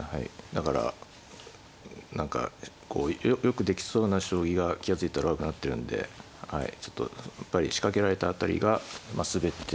だから何かよくできそうな将棋が気が付いたら悪くなってるんでちょっとやっぱり仕掛けられた辺りがまあ全てですね。